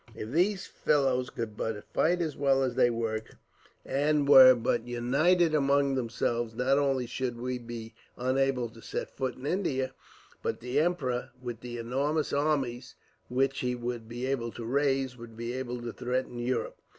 If these fellows could but fight as well as they work, and were but united among themselves, not only should we be unable to set a foot in India, but the emperor, with the enormous armies which he would be able to raise, would be able to threaten Europe.